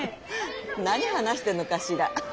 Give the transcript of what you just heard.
何話してるのかしら。